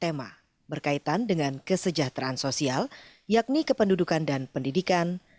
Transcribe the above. tema berkaitan dengan kesejahteraan sosial yakni kependudukan dan pendidikan